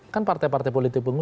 kan partai partai politik